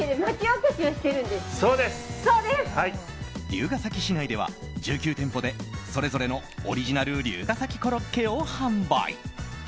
龍ケ崎市内では１９店舗でそれぞれのオリジナル龍ケ崎コロッケを販売。